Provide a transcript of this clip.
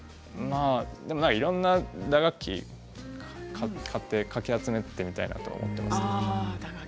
いろんな打楽器買ってかき集めてみたいなと思いますけど。